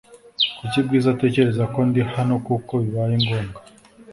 Kuki Bwiza atekereza ko ndi hano kuko bibaye ngombwa